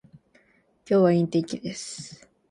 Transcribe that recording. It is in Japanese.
今日はいい天気です